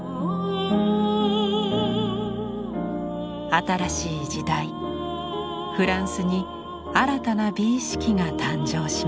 新しい時代フランスに新たな美意識が誕生しました。